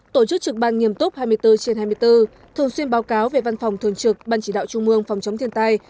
tổ chức trực ban nghiêm túc hai mươi bốn trên hai mươi bốn thường xuyên báo cáo về văn phòng thường trực ban chỉ đạo trung mương phòng chống thiên tai